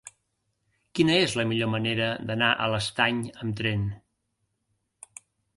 Quina és la millor manera d'anar a l'Estany amb tren?